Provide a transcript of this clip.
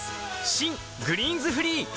新「グリーンズフリー」